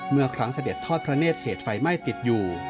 เมื่อครั้งเสด็จทอดพระเนธเหตุไฟไหม้ติดอยู่